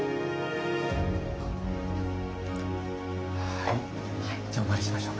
はいじゃあお参りしましょう。